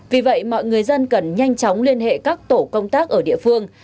vì vậy mọi người dân cần nhanh chóng liên hệ các tổ công tác ở địa phương